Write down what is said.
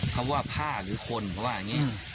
เพราะว่าพ่าคือคนเพราะว่าอะไรงี้